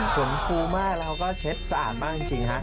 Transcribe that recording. สมคูมากแล้วก็เช็ดสะอาดมากจริงฮะ